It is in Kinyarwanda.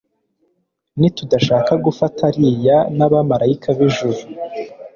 Nitudashaka gufatariya n'abamarayika b'ijuru,